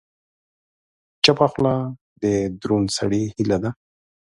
چپه خوله، د دروند سړي هیله ده.